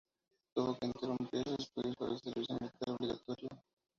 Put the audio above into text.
Tuvo que interrumpir sus estudios por el servicio militar obligatorio.